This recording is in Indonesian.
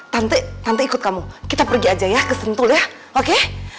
nanti tante ikut kamu kita pergi aja ya ke sentul ya oke